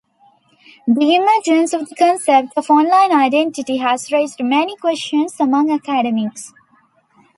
The emergence of the concept of online identity has raised many questions among academics.